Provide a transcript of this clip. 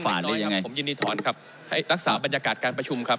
ยังไงผมยินดีถอนครับให้รักษาบรรยากาศการประชุมครับ